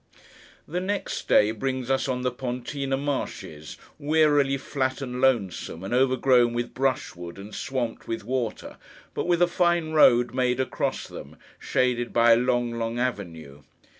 The next day brings us on the Pontine Marshes, wearily flat and lonesome, and overgrown with brushwood, and swamped with water, but with a fine road made across them, shaded by a long, long avenue.